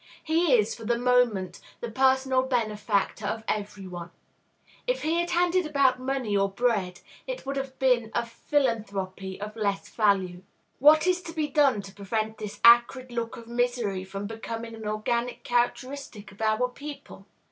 He is, for the moment, the personal benefactor of every one; if he had handed about money or bread, it would have been a philanthropy of less value. What is to be done to prevent this acrid look of misery from becoming an organic characteristic of our people?